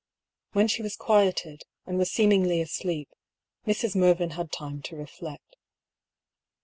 , When she was quieted, and was seemingly asleep, Mrs. Mervyn had time to reflect.